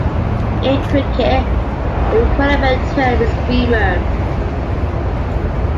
In cricket, the equivalent term is "beamer".